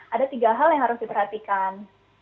ada tiga hal yang harus diperhatikan